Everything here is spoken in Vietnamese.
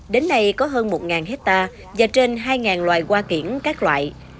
đến nay có hơn một hectare và trên hai loài hoa kiển các loại